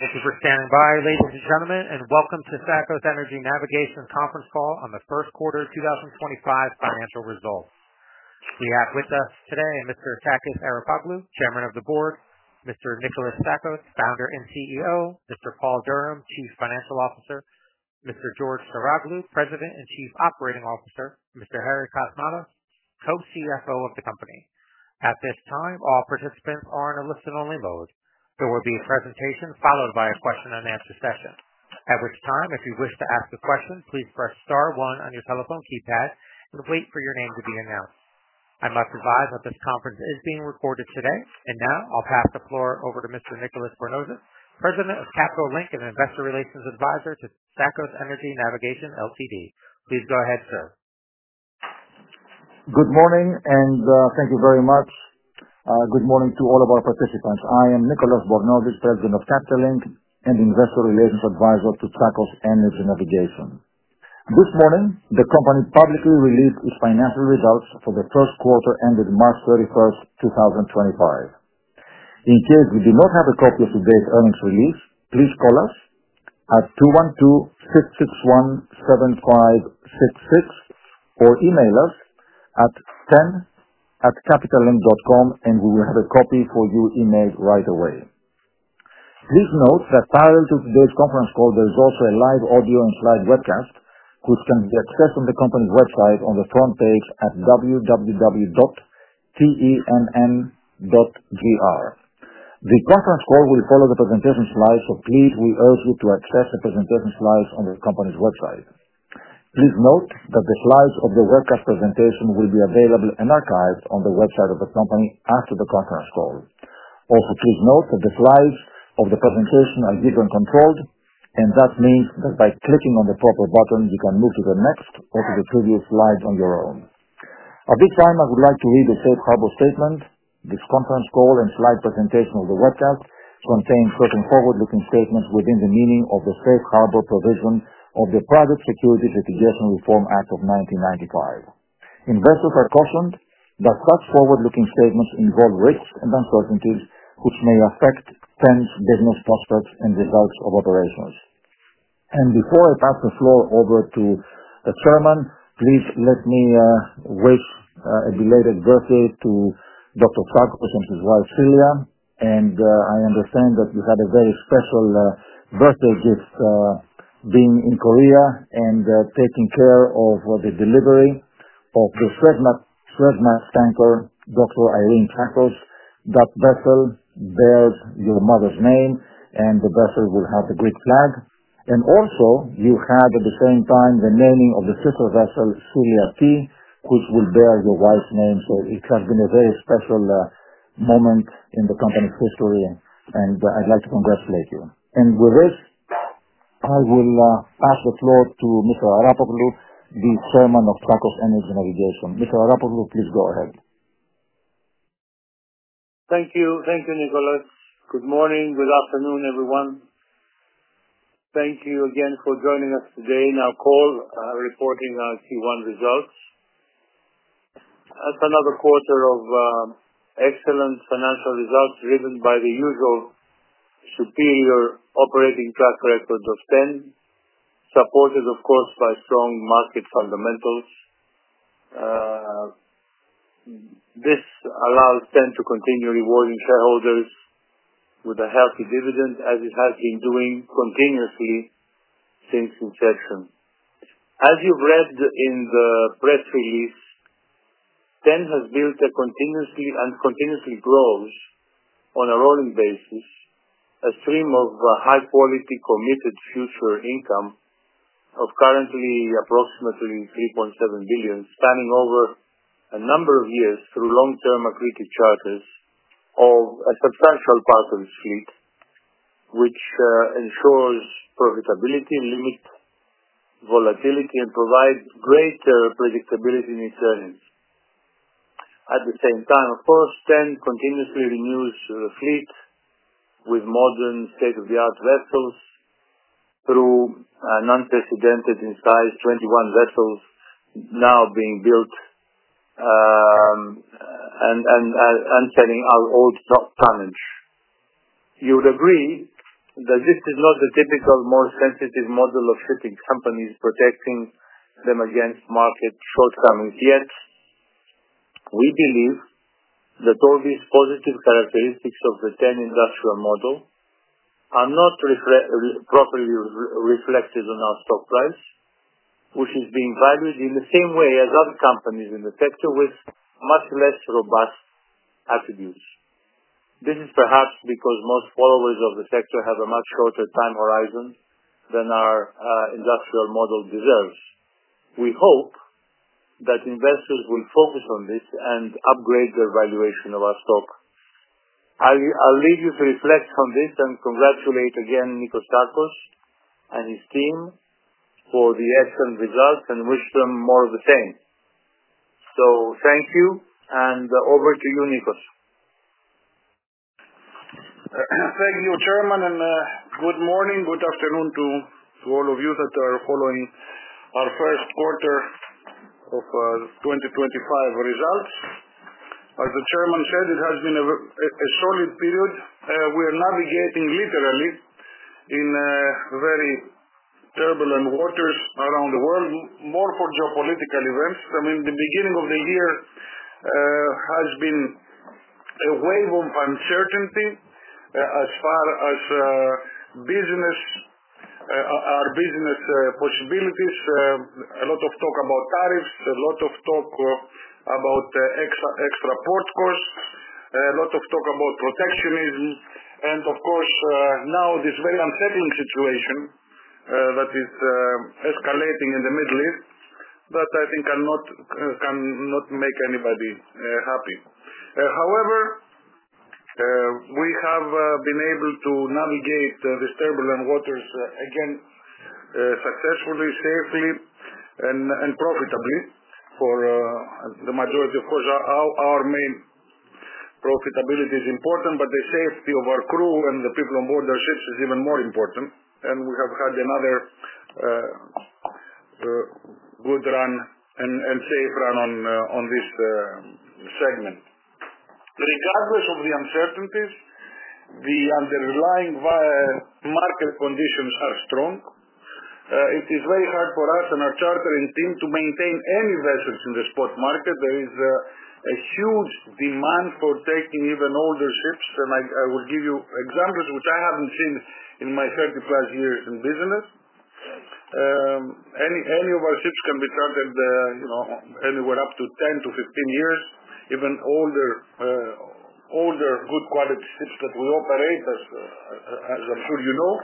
Thank you for standing by, ladies and gentlemen, and welcome to Tsakos Energy Navigation's Conference Call on the First Quarter of 2025 Financial results. We have with us today Mr. Takis Arapoglou, Chairman of the Board; Mr. Nicholas Tsakos, Founder and CEO; Mr. Paul Durham, Chief Financial Officer; Mr. George Saroglou, President and Chief Operating Officer; Mr. Harry Kosmatos, Co-CFO of the company. At this time, all participants are on a listen-only mode. There will be a presentation followed by a question-and-answer session. At which time, if you wish to ask a question, please press star one on your telephone keypad and wait for your name to be announced. I must advise that this conference is being recorded today, and now I'll pass the floor over to Mr. Nicolas Bornozis, President of Capital Link and Investor Relations Advisor to Tsakos Energy Navigation. Please go ahead, sir. Good morning, and thank you very much. Good morning to all of our participants. I am Nicholas Bornozis, President of Capital Link and Investor Relations Advisor to Tsakos Energy Navigation. This morning, the company publicly released its financial results for the first quarter ended March 31, 2025. In case you do not have a copy of today's earnings release, please call us at 212-661-7566 or email us at ten@capitalinc.com, and we will have a copy for you emailed right away. Please note that parallel to today's conference call, there is also a live audio and slide webcast, which can be accessed on the company's website on the front page at www.tenn.gr. The conference call will follow the presentation slides, so please, we urge you to access the presentation slides on the company's website. Please note that the slides of the webcast presentation will be available and archived on the website of the company after the conference call. Also, please note that the slides of the presentation are user-controlled, and that means that by clicking on the proper button, you can move to the next or to the previous slides on your own. At this time, I would like to read the Safe Harbor Statement. This conference call and slide presentation of the webcast contains certain forward-looking statements within the meaning of the Safe Harbor Provision of the Private Securities Litigation Reform Act of 1995. Investors are cautioned that such forward-looking statements involve risks and uncertainties which may affect Tsakos Energy Navigation's business prospects and results of operations. Before I pass the floor over to the Chairman, please let me wish a belated birthday to Dr. Tsakos and his wife, Celia. I understand that you had a very special birthday gift being in Korea and taking care of the delivery of the Swedmax tanker, Dr. Irene Tsakos. That vessel bears your mother's name, and the vessel will have the Greek flag. Also, you had at the same time the naming of the sister vessel, Celia T., which will bear your wife's name. It has been a very special moment in the company's history, and I'd like to congratulate you. With this, I will pass the floor to Mr. Arapoglou, the Chairman of Tsakos Energy Navigation. Mr. Arapoglou, please go ahead. Thank you. Thank you, Nicholas. Good morning. Good afternoon, everyone. Thank you again for joining us today in our call reporting our Q1 results. That is another quarter of excellent financial results driven by the usual superior operating track record of TEN, supported, of course, by strong market fundamentals. This allows TEN to continue rewarding shareholders with a healthy dividend, as it has been doing continuously since inception. As you have read in the press release, TEN has built a continuously and continuously grows on a rolling basis a stream of high-quality, committed future income of currently approximately $3.7 billion, spanning over a number of years through long-term accretive charters of a substantial part of its fleet, which ensures profitability, limits volatility, and provides greater predictability in its earnings. At the same time, of course, TEN continuously renews the fleet with modern state-of-the-art vessels through an unprecedented size of 21 vessels now being built and selling our old tonnage. You would agree that this is not the typical, more sensitive model of shipping companies protecting them against market shortcomings. Yet, we believe that all these positive characteristics of the TEN industrial model are not properly reflected on our stock price, which is being valued in the same way as other companies in the sector with much less robust attributes. This is perhaps because most followers of the sector have a much shorter time horizon than our industrial model deserves. We hope that investors will focus on this and upgrade their valuation of our stock. I'll leave you to reflect on this and congratulate again Nicholas Tsakos and his team for the excellent results and wish them more of the same. Thank you, and over to you, Nicholas. Thank you, Chairman, and good morning. Good afternoon to all of you that are following our first quarter of 2025 results. As the Chairman said, it has been a solid period. We are navigating literally in very turbulent waters around the world, more for geopolitical events. I mean, the beginning of the year has been a wave of uncertainty as far as our business possibilities. A lot of talk about tariffs, a lot of talk about extra port costs, a lot of talk about protectionism. Of course, now this very unsettling situation that is escalating in the Middle East that I think cannot make anybody happy. However, we have been able to navigate these turbulent waters again successfully, safely, and profitably for the majority. Of course, our main profitability is important, but the safety of our crew and the people on board our ships is even more important. We have had another good run and safe run on this segment. Regardless of the uncertainties, the underlying market conditions are strong. It is very hard for us and our chartering team to maintain any vessels in the spot market. There is a huge demand for taking even older ships, and I will give you examples which I haven't seen in my 30-plus years in business. Any of our ships can be chartered anywhere up to 10-15 years, even older good quality ships that we operate, as I'm sure you know.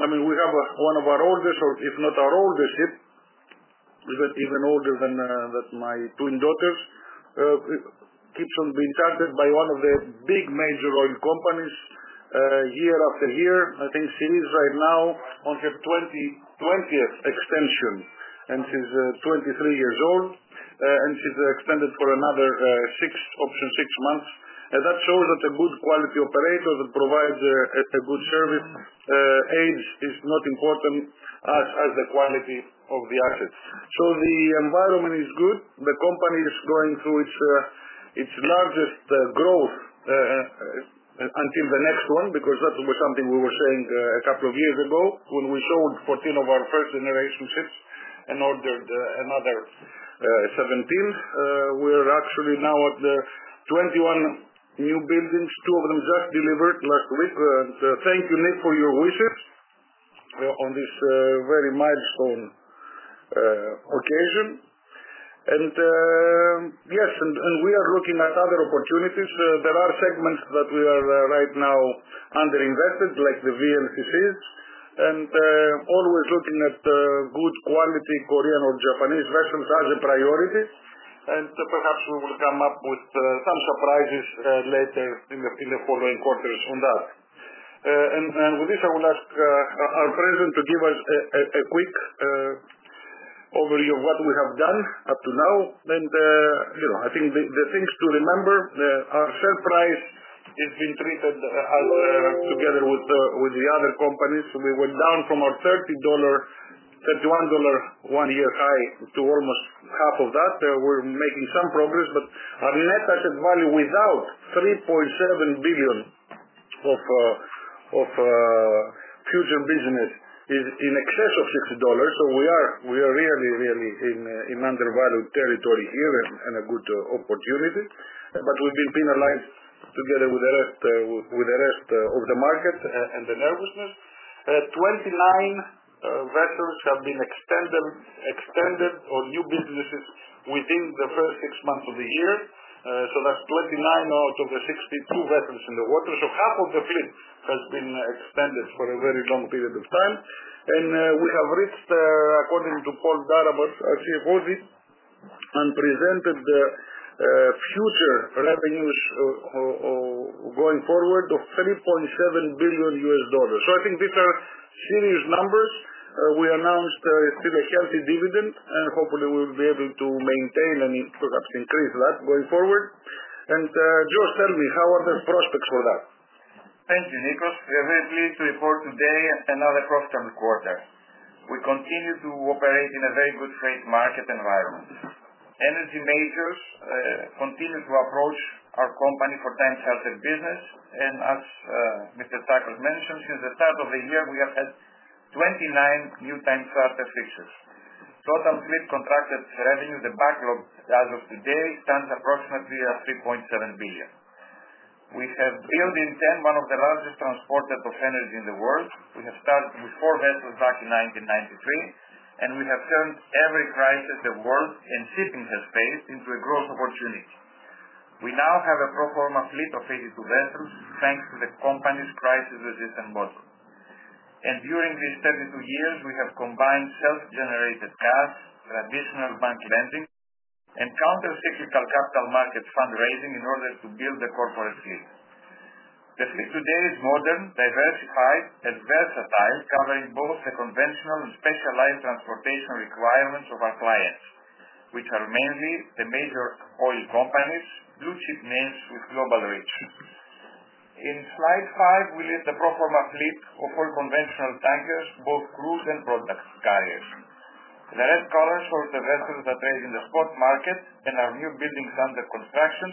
I mean, we have one of our oldest, or if not our oldest ship, even older than my twin daughters, keeps on being chartered by one of the big major oil companies year after year. I think Celia is right now on her 20th extension, and she's 23 years old, and she's extended for another six months. That shows that a good quality operator that provides a good service, age is not important as the quality of the assets. The environment is good. The company is going through its largest growth until the next one because that was something we were saying a couple of years ago when we sold 14 of our first-generation ships and ordered another 17. We are actually now at 21 new buildings, two of them just delivered last week. Thank you, Nick, for your wishes on this very milestone occasion. Yes, we are looking at other opportunities. There are segments that we are right now under-invested, like the VLCCs, and always looking at good quality Korean or Japanese vessels as a priority. Perhaps we will come up with some surprises later in the following quarters on that. With this, I would ask our President to give us a quick overview of what we have done up to now. I think the things to remember, our share price is being treated together with the other companies. We went down from our $31 one-year high to almost half of that. We're making some progress, but our net asset value without $3.7 billion of future business is in excess of $60. We are really, really in undervalued territory here and a good opportunity. We've been penalized together with the rest of the market and the nervousness. 29 vessels have been extended or new businesses within the first six months of the year. That's 29 out of the 62 vessels in the water. Half of the fleet has been extended for a very long period of time. We have reached, according to Paul Durham, our CFO, and presented future revenues going forward of $3.7 billion. I think these are serious numbers. We announced still a healthy dividend, and hopefully, we will be able to maintain and perhaps increase that going forward. George, tell me, how are the prospects for that? Thank you, Nicholas. We are very pleased to report today another profitable quarter. We continue to operate in a very good-faith market environment. Energy majors continue to approach our company for time-chartered business. As Mr. Tsakos mentioned, since the start of the year, we have had 29 new time-chartered fixtures. Total fleet contracted revenue, the backlog as of today, stands approximately at $3.7 billion. We have built in TEN one of the largest transporters of energy in the world. We started with four vessels back in 1993, and we have turned every crisis the world and shipping has faced into a growth opportunity. We now have a pro forma fleet of 82 vessels thanks to the company's crisis-resistant model. During these 32 years, we have combined self-generated cash, traditional bank lending, and counter-cyclical capital market fundraising in order to build the corporate fleet. The fleet today is modern, diversified, and versatile, covering both the conventional and specialized transportation requirements of our clients, which are mainly the major oil companies, blue-chip names with global reach. In slide five, we list the pro forma fleet of all conventional tankers, both crude and product carriers. The red colors show the vessels that trade in the spot market and our new buildings under construction,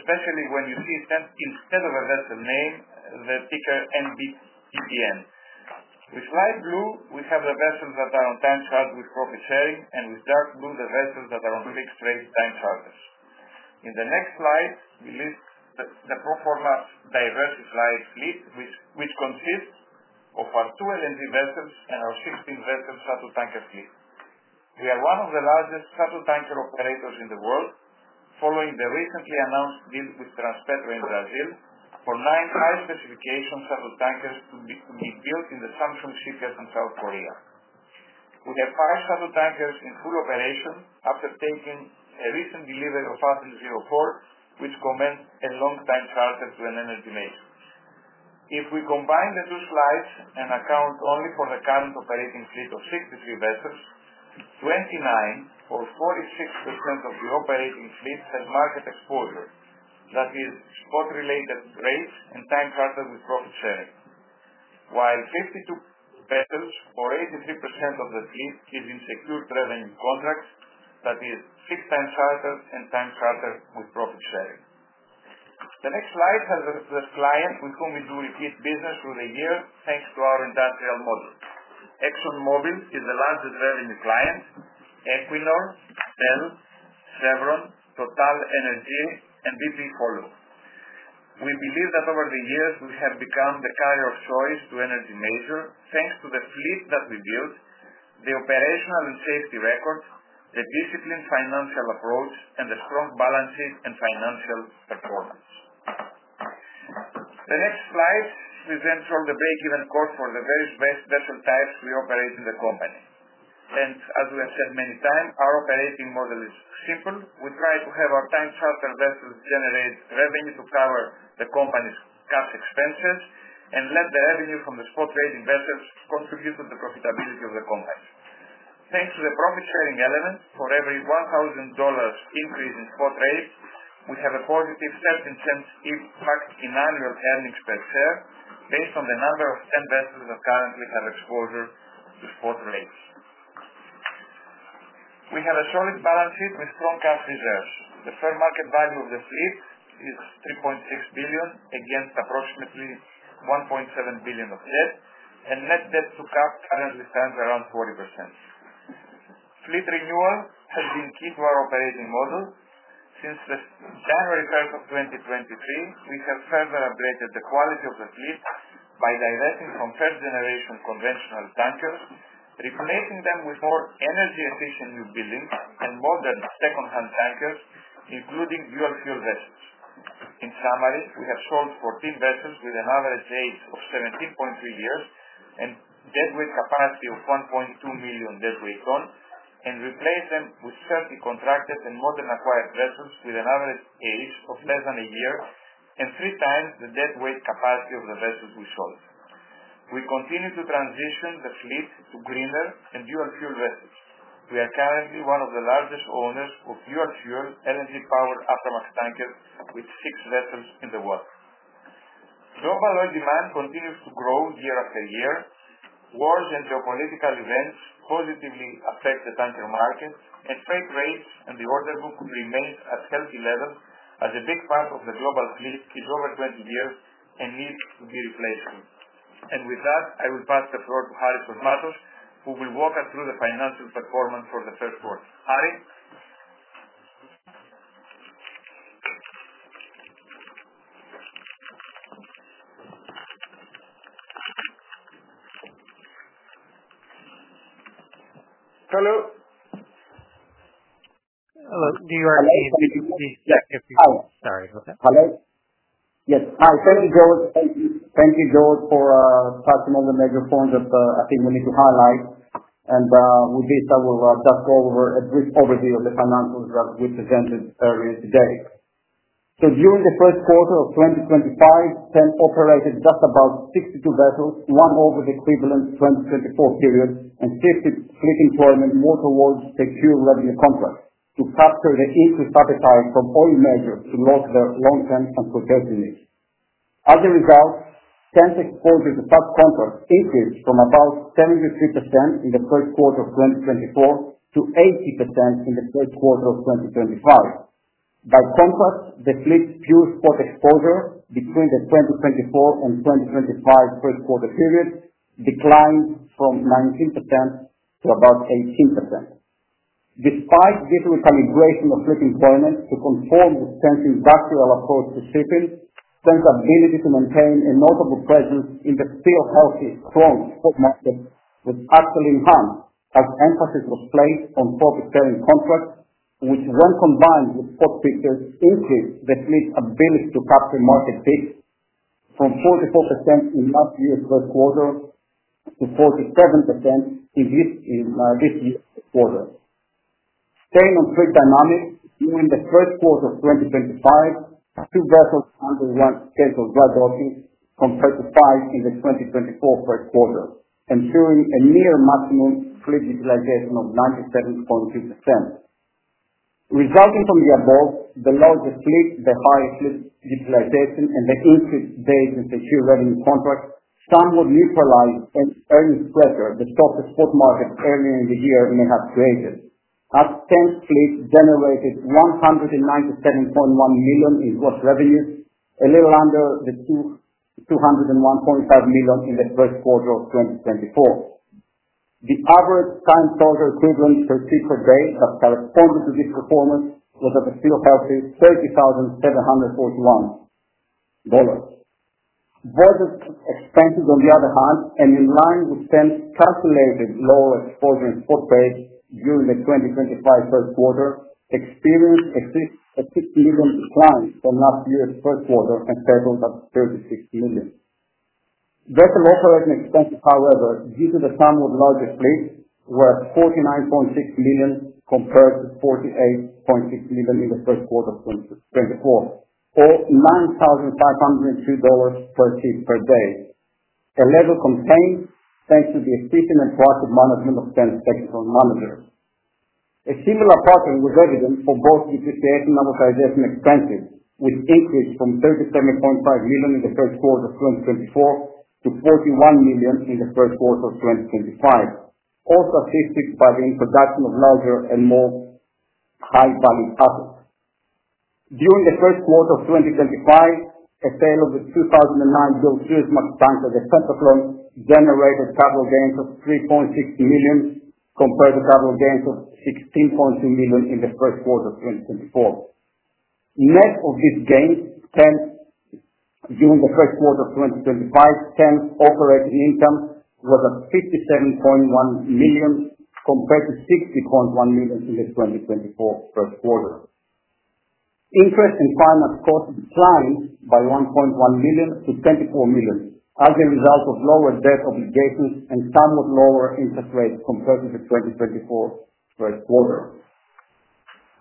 especially when you see TEN instead of a vessel name, the ticker NBTTN. With light blue, we have the vessels that are on time chartered with profit sharing, and with dark blue, the vessels that are on fixed-rate time charters. In the next slide, we list the pro forma diversified fleet, which consists of our two LNG vessels and our 16 vessel shuttle tanker fleet. We are one of the largest shuttle tanker operators in the world, following the recently announced deal with Transpetro in Brazil for nine high-specification shuttle tankers to be built in the Samsung Shipyard in South Korea. We have five shuttle tankers in full operation after taking a recent delivery of ATIL-04, which commences a long-time charter to an energy major. If we combine the two slides and account only for the current operating fleet of 63 vessels, 29 or 46% of the operating fleet has market exposure. That is spot-related rates and time chartered with profit sharing, while 52 vessels or 83% of the fleet is in secured revenue contracts. That is six time chartered and time chartered with profit sharing. The next slide has the client with whom we do repeat business through the year thanks to our industrial model. ExxonMobil is the largest revenue client. Equinor, Shell, Chevron, TotalEnergies, and BP follow. We believe that over the years, we have become the carrier of choice to energy majors thanks to the fleet that we built, the operational and safety record, the disciplined financial approach, and the strong balance sheet and financial performance. The next slide presents all the break-even costs for the various vessel types we operate in the company. As we have said many times, our operating model is simple. We try to have our time chartered vessels generate revenue to cover the company's cash expenses and let the revenue from the spot-rated vessels contribute to the profitability of the company. Thanks to the profit sharing element, for every $1,000 increase in spot rates, we have a positive 13% impact in annual earnings per share based on the number of TEN vessels that currently have exposure to spot rates. We have a solid balance sheet with strong cash reserves. The fair market value of the fleet is $3.6 billion against approximately $1.7 billion of debt, and net debt to cap currently stands around 40%. Fleet renewal has been key to our operating model. Since January 1 of 2023, we have further upgraded the quality of the fleet by divesting from first-generation conventional tankers, replacing them with more energy-efficient new buildings and modern second-hand tankers, including dual-fuel vessels. In summary, we have sold 14 vessels with an average age of 17.3 years and deadweight capacity of 1.2 million deadweight tons and replaced them with 30 contracted and modern acquired vessels with an average age of less than a year and three times the deadweight capacity of the vessels we sold. We continue to transition the fleet to greener and dual-fuel vessels. We are currently one of the largest owners of dual-fuel LNG-powered Aframax tankers with six vessels in the water. Global oil demand continues to grow year after year. Wars and geopolitical events positively affect the tanker market, and freight rates and the order book remain at healthy levels as a big part of the global fleet is over 20 years and needs to be replaced. With that, I will pass the floor to Harrys Kosmatos, who will walk us through the financial performance for the first quarter. Harry? Hello. Hello. Do you hear me? Yes, I can hear you. Sorry. Okay. Hello? Yes. Hi. Thank you, George. Thank you, George, for touching on the major points that I think we need to highlight. With this, I will just go over a brief overview of the financials that we presented earlier today. During the first quarter of 2025, TEN operated just about 62 vessels, one over the equivalent 2024 period, and shifted fleet employment more towards secure revenue contracts to capture the increased appetite from oil majors to lock their long-term entrepreneurship needs. As a result, TEN's exposure to subcontracts increased from about 73% in the first quarter of 2024 to 80% in the first quarter of 2025. By contrast, the fleet's pure spot exposure between the 2024 and 2025 first quarter period declined from 19% to about 18%. Despite this recalibration of fleet employment to conform with TEN's industrial approach to shipping, TEN's ability to maintain a notable presence in the still healthy, strong spot market was actually enhanced as emphasis was placed on profit-sharing contracts, which, when combined with spot fixtures, increased the fleet's ability to capture market peaks from 44% in last year's first quarter to 47% in this year's quarter. Staying on fleet dynamics, during the first quarter of 2025, two vessels underwent scheduled dry docking compared to five in the 2024 first quarter, ensuring a near maximum fleet utilization of 97.2%. Resulting from the above, the larger fleet, the higher fleet utilization, and the increased days in secure revenue contracts somewhat neutralized and earned pressure the soft spot market earlier in the year may have created. As TEN's fleet generated $197.1 million in gross revenue, a little under the $201.5 million in the first quarter of 2024. The average time charter equivalent per ship per day that corresponded to this performance was at a still healthy $30,741. Boarders' expenses, on the other hand, and in line with TEN's calculated lower exposure in spot rates during the 2025 first quarter, experienced a $6 million decline from last year's first quarter and settled at $36 million. Vessel operating expenses, however, due to the sum of larger fleets, were at $49.6 million compared to $48.6 million in the first quarter of 2024, or $9,502 per ship per day, a level contained thanks to the efficient and proactive management of TEN's second-term managers. A similar pattern was evident for both depreciation and amortization expenses, which increased from $37.5 million in the first quarter of 2024 to $41 million in the first quarter of 2025, also assisted by the introduction of larger and more high-value assets. During the first quarter of 2025, a sale of the 2009 Suezmax tanker Theoharrys Kosmatos generated capital gains of $3.6 million compared to capital gains of $16.2 million in the first quarter of 2024. Net of these gains, during the first quarter of 2025, TEN's operating income was at $57.1 million compared to $60.1 million in the 2024 first quarter. Interest and finance costs declined by $1.1 million to $24 million as a result of lower debt obligations and somewhat lower interest rates compared to the 2024 first quarter.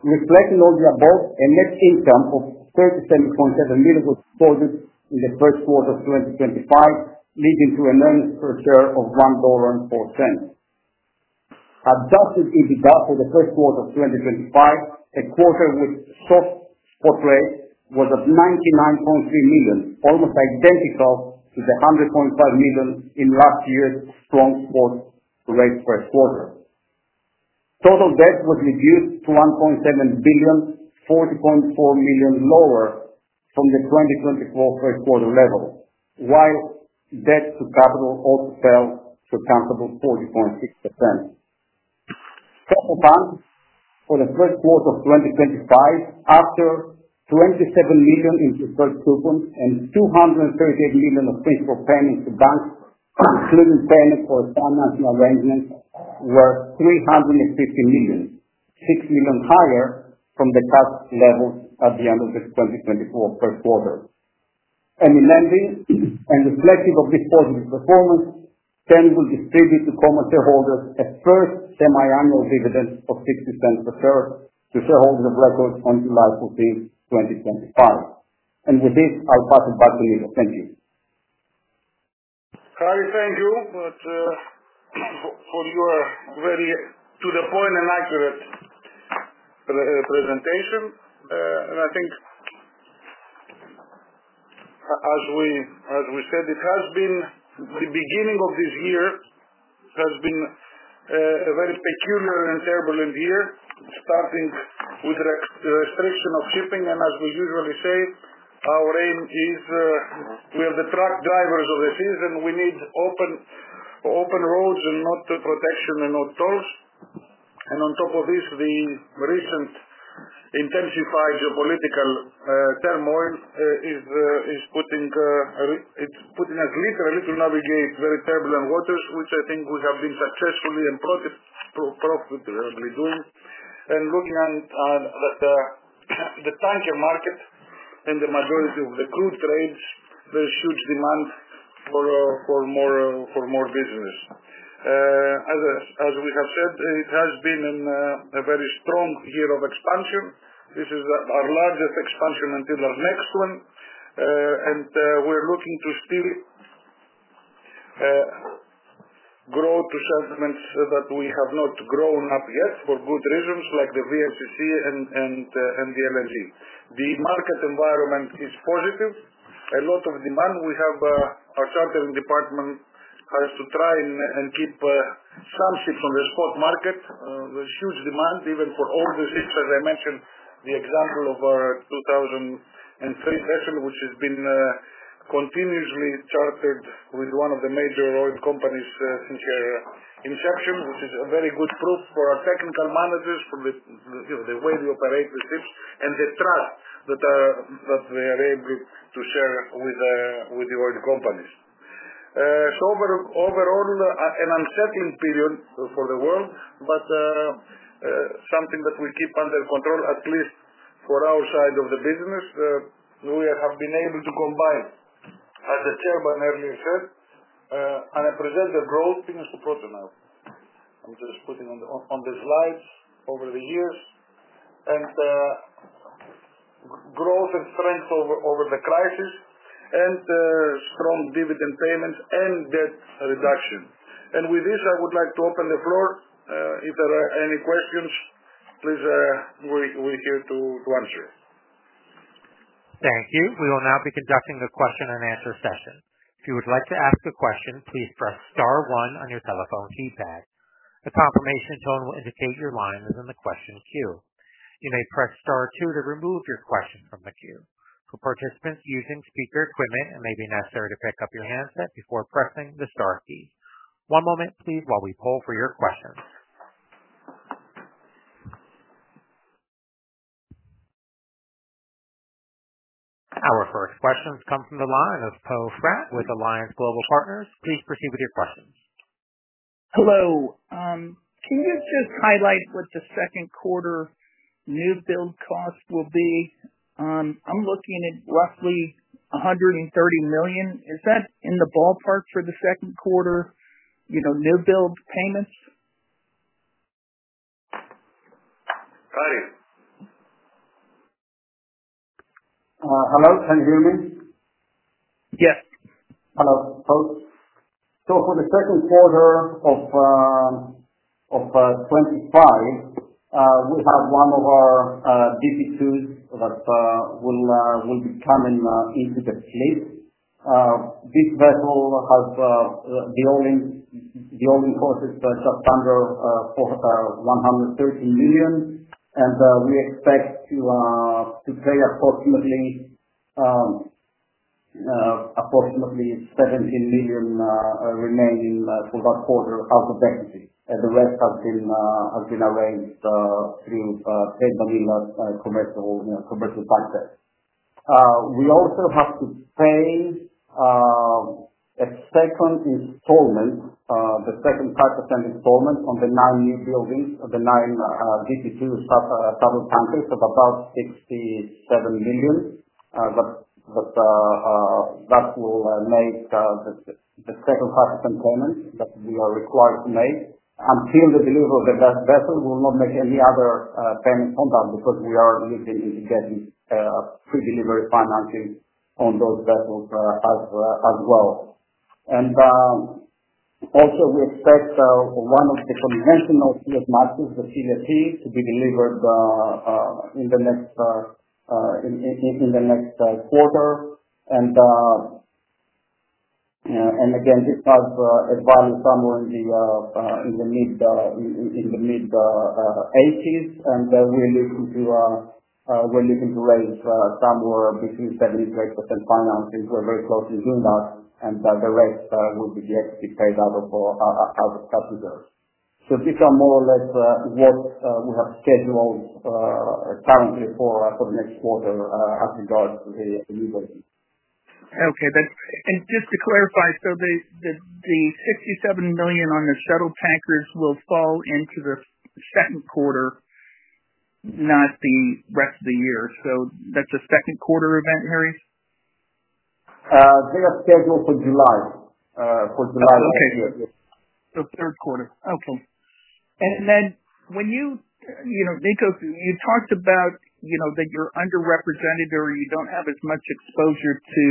Reflecting all the above, a net income of $37.7 million was recorded in the first quarter of 2025, leading to an earnings per share of $1.04. Adjusted EBITDA for the first quarter of 2025, a quarter with soft spot rates, was at $99.3 million, almost identical to the $100.5 million in last year's strong spot rate first quarter. Total debt was reduced to $1.7 billion, $40.4 million lower from the 2024 first quarter level, while debt to capital also fell to a comfortable 40.6%. Cash flow for the first quarter of 2025, after $27 million into first coupons and $238 million of principal payments to banks, including payments for financial arrangements, was $350 million, $6 million higher from the cash levels at the end of the 2024 first quarter. In ending, and reflective of this positive performance, TEN will distribute to common shareholders a first semiannual dividend of $0.60 per share to shareholders of record on July 14th, 2025. With this, I'll pass it back to Nico. Thank you. Harry, thank you for your very to-the-point and accurate presentation. I think, as we said, it has been the beginning of this year, it has been a very peculiar and turbulent year, starting with the restriction of shipping. As we usually say, our aim is we are the truck drivers of the season. We need open roads and not protection and not tolls. On top of this, the recent intensified geopolitical turmoil is putting us literally to navigate very turbulent waters, which I think we have been successfully and profitably doing. Looking at the tanker market and the majority of the crude trades, there is huge demand for more business. As we have said, it has been a very strong year of expansion. This is our largest expansion until our next one. We are looking to still grow to segments that we have not grown up yet for good reasons, like the VLCC and the LNG. The market environment is positive. A lot of demand. We have our chartering department has to try and keep some ships on the spot market. There's huge demand, even for older ships, as I mentioned the example of our 2003 vessel, which has been continuously chartered with one of the major oil companies since their inception, which is a very good proof for our technical managers, for the way we operate the ships, and the trust that we are able to share with the oil companies. Overall, an unsettling period for the world, but something that we keep under control, at least for our side of the business. We have been able to combine, as the Chairman earlier said, an unprecedented growth. Fingers to frozen now. I'm just putting on the slides over the years. Growth and strength over the crisis and strong dividend payments and debt reduction. With this, I would like to open the floor. If there are any questions, please, we're here to answer. Thank you. We will now be conducting a question-and-answer session. If you would like to ask a question, please press Star one on your telephone keypad. The confirmation tone will indicate your line is in the question queue. You may press Star two to remove your question from the queue. For participants using speaker equipment, it may be necessary to pick up your handset before pressing the Star key. One moment, please, while we pull for your questions. Our first questions come from the line of Poe Fratt with Alliance Global Partners. Please proceed with your questions. Hello. Can you just highlight what the second quarter new build cost will be? I'm looking at roughly $130 million. Is that in the ballpark for the second quarter new build payments? Harry. Hello. Can you hear me? Yes. Hello, folks. For the second quarter of 2025, we have one of our DP2s that will be coming into the fleet. This vessel has the all-in cost just under $130 million. We expect to pay approximately $17 million remaining for that quarter out of equity. The rest has been arranged through St. Manila's Commercial Bank. We also have to pay a second installment, the second 5% installment, on the nine newbuildings, the nine DP2 shuttle tankers, of about $67 million that will make the second 5% payment that we are required to make until the delivery of the vessel. We will not make any other payment on that because we are looking into getting pre-delivery financing on those vessels as well. We expect one of the conventional Suezmaxes, the Celia T., to be delivered in the next quarter. This has a value somewhere in the mid-$80 million. We're looking to raise somewhere between 70%-80% financing. We're very closely doing that. The rest will be directly paid out of cash reserves. These are more or less what we have scheduled currently for the next quarter as regards to the new building. Okay. And just to clarify, the $67 million on the shuttle tankers will fall into the second quarter, not the rest of the year. That's a second quarter event, Harry? They are scheduled for July of this year. Okay. Third quarter. Okay. And then when you, Nico, you talked about that you're underrepresented or you don't have as much exposure to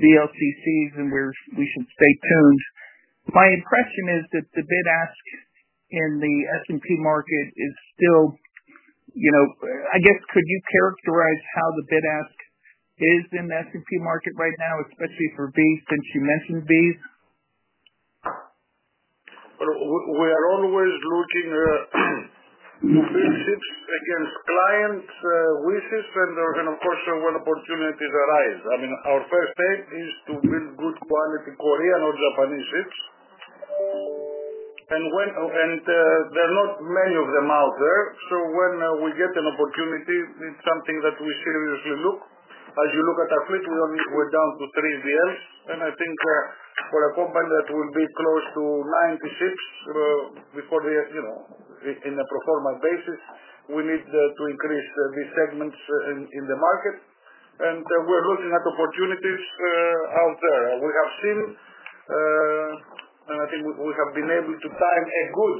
VLCCs and we should stay tuned. My impression is that the bid-ask in the S&P market is still, I guess, could you characterize how the bid-ask is in the S&P market right now, especially for V since you mentioned V? We are always looking to build ships against client wishes and, of course, when opportunities arise. I mean, our first aim is to build good quality Korean or Japanese ships. And there are not many of them out there. So when we get an opportunity, it's something that we seriously look. As you look at our fleet, we're down to three VLs. I think for a company that will be close to 90 ships before the, in a pro forma basis, we need to increase these segments in the market. We're looking at opportunities out there. We have seen, and I think we have been able to time a good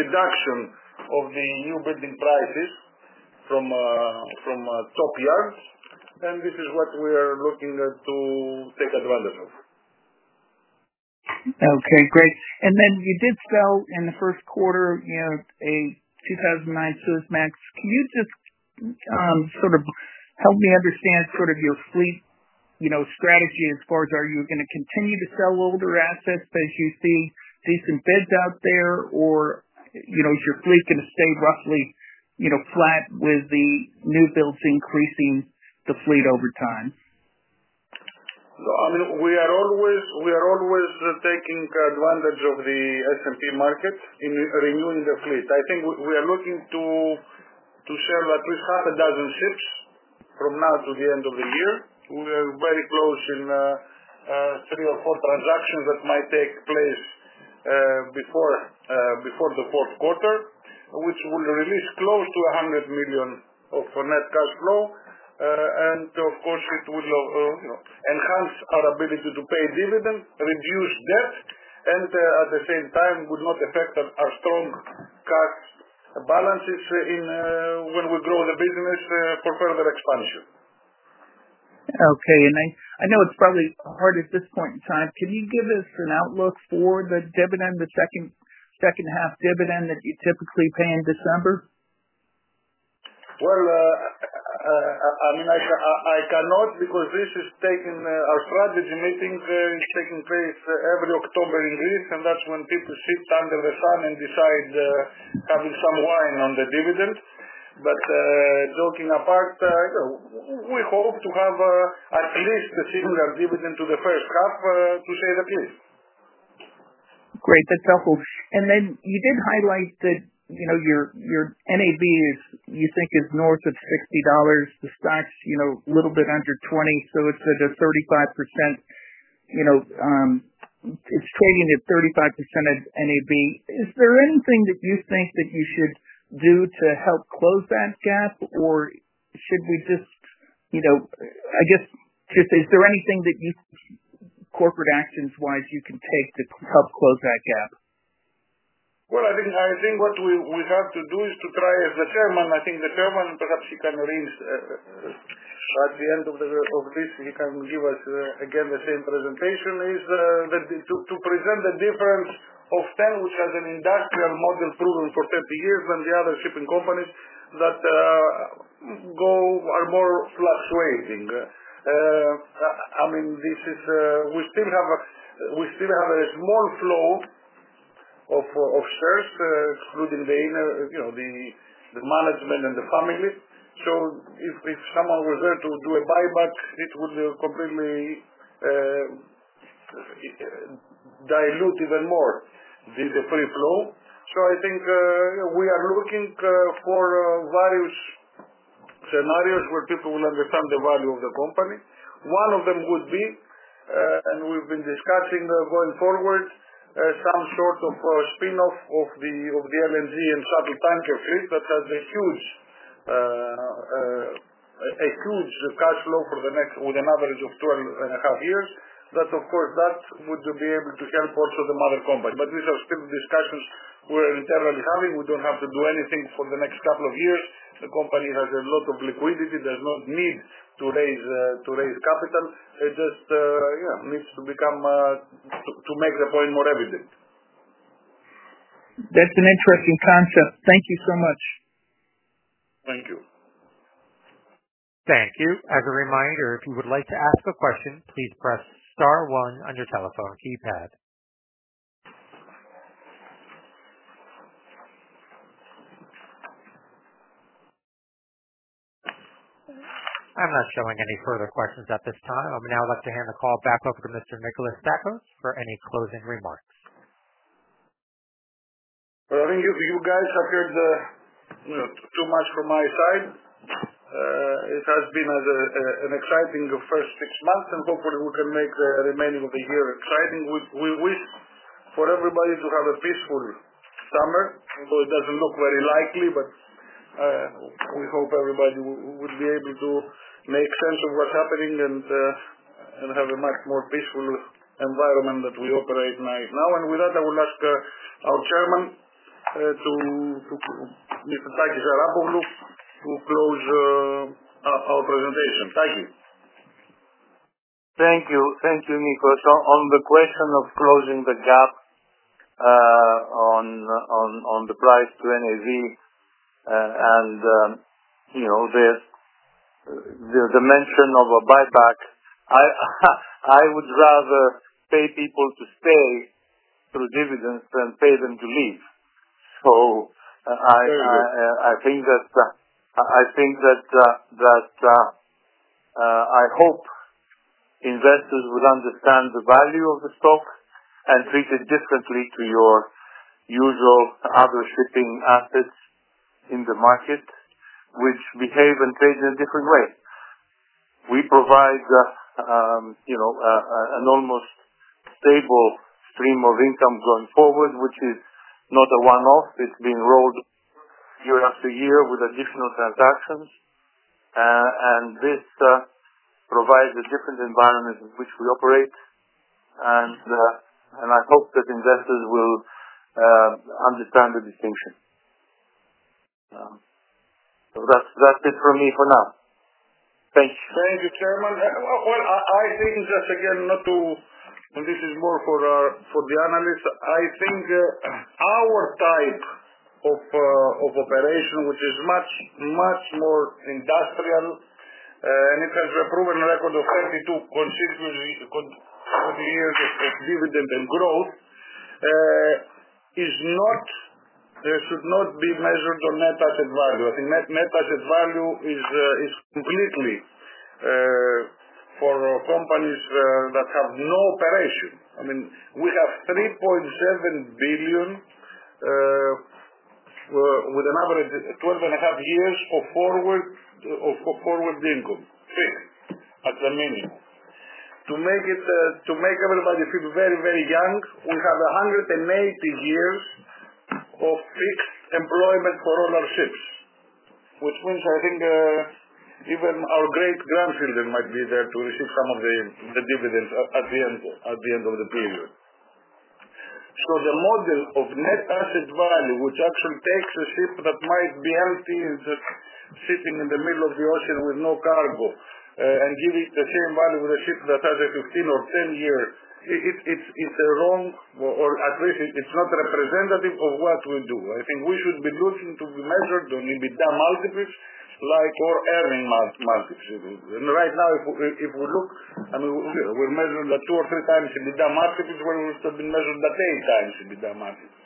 reduction of the new building prices from top yards. This is what we are looking to take advantage of. Okay. Great. You did sell in the first quarter a 2009 Suezmax. Can you just sort of help me understand sort of your fleet strategy as far as are you going to continue to sell older assets as you see decent bids out there, or is your fleet going to stay roughly flat with the new builds increasing the fleet over time? I mean, we are always taking advantage of the S&P market in renewing the fleet. I think we are looking to sell at least half a dozen ships from now to the end of the year. We are very close in three or four transactions that might take place before the fourth quarter, which will release close to $100 million of net cash flow. Of course, it will enhance our ability to pay dividends, reduce debt, and at the same time, would not affect our strong cash balances when we grow the business for further expansion. Okay. I know it's probably hard at this point in time. Can you give us an outlook for the second half dividend that you typically pay in December? I mean, I cannot because this is taking our strategy meeting is taking place every October in Greece, and that's when people sit under the sun and decide having some wine on the dividend. Joking apart, we hope to have at least a similar dividend to the first half, to say the least. Great. That's helpful. You did highlight that your NAV, you think, is north of $60. The stock's a little bit under $20. It's at 35%. It's trading at 35% of NAV. Is there anything that you think that you should do to help close that gap, or is there anything that you think corporate actions-wise you can take to help close that gap? I think what we have to do is to try, as the Chairman, I think the Chairman, perhaps he can arrange at the end of this, he can give us again the same presentation, is to present the difference of TEN, which has an industrial model proven for 30 years than the other shipping companies that are more fluctuating. I mean, we still have a small flow of shares, excluding the management and the family. If someone were there to do a buyback, it would completely dilute even more the free flow. I think we are looking for various scenarios where people will understand the value of the company. One of them would be, and we've been discussing going forward, some sort of spin-off of the LNG and shuttle tanker fleet that has a huge cash flow for the next with an average of 12.5 years. That, of course, that would be able to help also the mother company. These are still discussions we're internally having. We don't have to do anything for the next couple of years. The company has a lot of liquidity. There's no need to raise capital. It just needs to become to make the point more evident. That's an interesting concept. Thank you so much. Thank you. Thank you. As a reminder, if you would like to ask a question, please press Star one on your telephone keypad. I'm not showing any further questions at this time. I would now like to hand the call back over to Mr. Nicholas Tsakos for any closing remarks. I think you guys have heard too much from my side. It has been an exciting first six months, and hopefully, we can make the remaining of the year exciting. We wish for everybody to have a peaceful summer. Although it doesn't look very likely, we hope everybody will be able to make sense of what's happening and have a much more peaceful environment than we operate now. With that, I will ask our Chairman, Mr. Takis Arapoglou, to close our presentation. Thank you. Thank you. Thank you, Nicholas. On the question of closing the gap on the price to NAV and the mention of a buyback, I would rather pay people to stay through dividends than pay them to leave. I think that I hope investors would understand the value of the stock and treat it differently to your usual other shipping assets in the market, which behave and trade in a different way. We provide an almost stable stream of income going forward, which is not a one-off. It is being rolled year after year with additional transactions. This provides a different environment in which we operate. I hope that investors will understand the distinction. That is it from me for now. Thanks. Thank you, Chairman. I think, just again, not to and this is more for the analysts. I think our type of operation, which is much, much more industrial, and it has a proven record of 32 consecutive years of dividend and growth, should not be measured on net asset value. I think net asset value is completely for companies that have no operation. I mean, we have $3.7 billion with an average 12 and a half years of forward income, fixed, at the minimum. To make everybody feel very, very young, we have 180 years of fixed employment for all our ships, which means I think even our great-grandchildren might be there to receive some of the dividends at the end of the period. The model of net asset value, which actually takes a ship that might be empty, sitting in the middle of the ocean with no cargo, and gives it the same value as a ship that has a 15- or 10-year, it's a wrong or at least it's not representative of what we do. I think we should be looking to be measured on EBITDA multiples like or earning multiples. Right now, if we look, I mean, we're measured at two or three times EBITDA multiples when we should have been measured at eight times EBITDA multiples.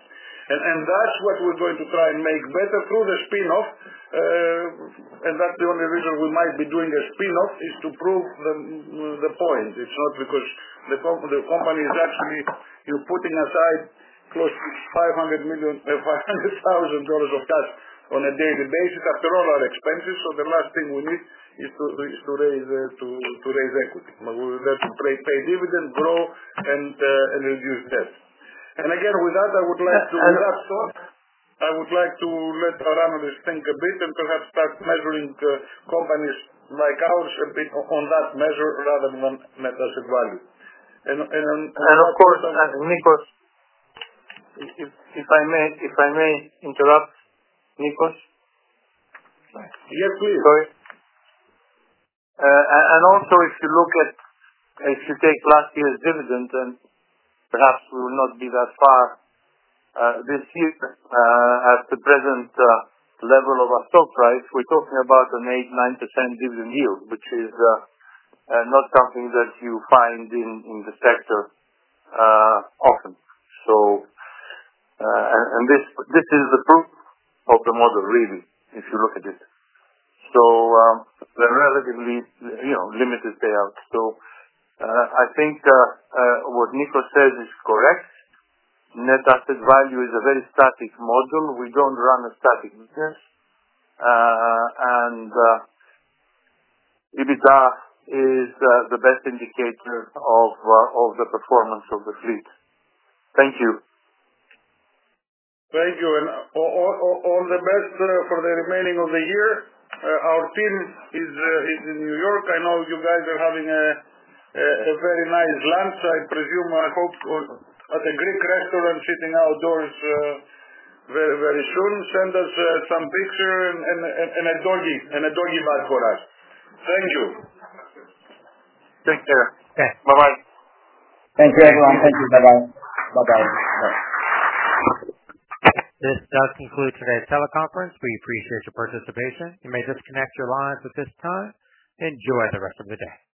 That's what we're going to try and make better through the spin-off. That's the only reason we might be doing a spin-off, to prove the point. It's not because the company is actually putting aside close to $500,000 of cash on a daily basis after all our expenses. The last thing we need is to raise equity. We're there to pay dividend, grow, and reduce debt. With that thought, I would like to let our analysts think a bit and perhaps start measuring companies like ours a bit on that measure rather than net asset value. Of course, Nicholas, if I may interrupt, Nicholas. Yes, please. Sorry. If you look at if you take last year's dividend, then perhaps we will not be that far this year. At the present level of our stock price, we're talking about an 8-9% dividend yield, which is not something that you find in the sector often. This is the proof of the model, really, if you look at it. They're relatively limited payout. I think what Nicholas says is correct. Net asset value is a very static model. We do not run a static business. EBITDA is the best indicator of the performance of the fleet. Thank you. Thank you. All the best for the remaining of the year. Our team is in New York. I know you guys are having a very nice lunch, I presume, I hope, at a Greek restaurant sitting outdoors very soon. Send us some pictures and a doggy bag for us. Thank you. Take care. Bye-bye. Thank you, everyone. Thank you. Bye-bye. Bye-bye. This does conclude today's teleconference. We appreciate your participation. You may disconnect your lines at this time. Enjoy the rest of the day.